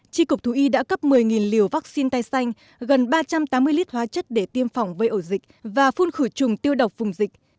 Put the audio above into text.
tri cục thú y đã cấp một mươi liều vaccine tai xanh gần ba trăm tám mươi lít hóa chất để tiêm phòng vây ổ dịch và phun khử trùng tiêu độc vùng dịch